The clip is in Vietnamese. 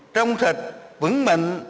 trong sạch vững mạnh